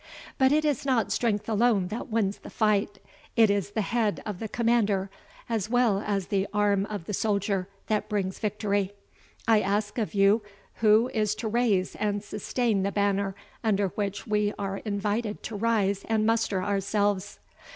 But it is not strength alone that wins the fight; it is the head of the commander, as well as the arm of the soldier, that brings victory. I ask of you who is to raise and sustain the banner under which we are invited to rise and muster ourselves?